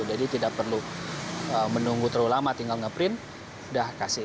tidak perlu menunggu terlalu lama tinggal nge print sudah kasih